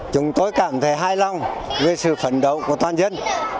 chúng tôi cảm thấy hài lòng về sự phấn đấu của toàn dân